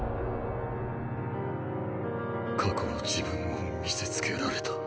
過去の自分を見せつけられた。